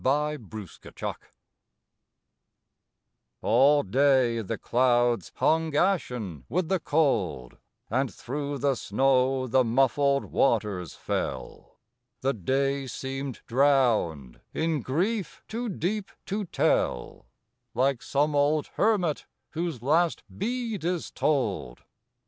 MID WINTER All day the clouds hung ashen with the cold; And through the snow the muffled waters fell; The day seemed drowned in grief too deep to tell, Like some old hermit whose last bead is told.